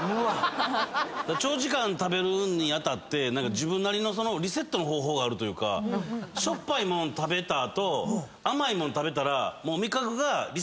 長時間食べるに当たって自分なりのリセットの方法というかしょっぱいもん食べた後甘いもん食べたら。